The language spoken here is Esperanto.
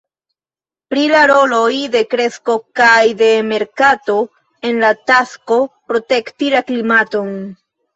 Pri la roloj de kresko kaj de merkato en la tasko protekti la klimaton.